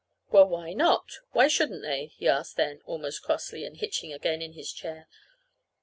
"Well, why not? Why shouldn't they?" he asked then, almost crossly, and hitching again in his chair.